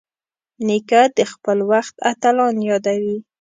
نیکه د خپل وخت اتلان یادوي.